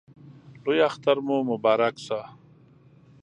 لوی اختر مو مبارک شه!